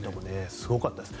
すごかったです。